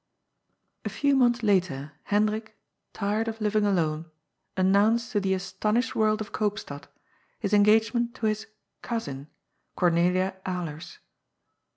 A few months later Hendrik, tired of living alone, an nounced to the astonished world of Eoopstad his engage ment to his '^cousin," Cornelia Alers.